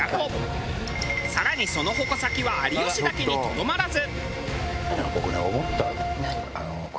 更にその矛先は有吉だけにとどまらず。